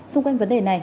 xung quanh vấn đề này